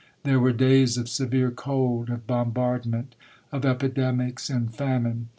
There were days of severe cold, of bombardment, of epidemics and famine.